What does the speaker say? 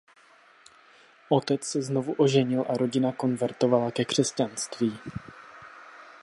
Otec se znovu oženil a rodina konvertovala ke křesťanství.